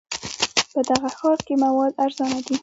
په دغه ښار کې مواد ارزانه دي.